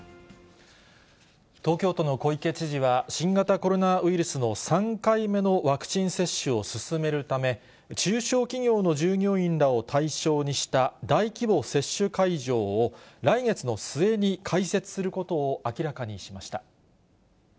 東京都の小池知事は、新型コロナウイルスの３回目のワクチン接種を進めるため、中小企業の従業員らを対象にした大規模接種会場を、来月の末に開設することを明らかにしました。